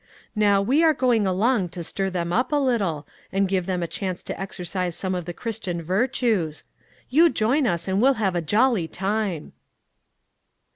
Now, we are going along to stir them up a little, and give them a chance to exercise some of the Christian virtues. You join us, and we will have a jolly time."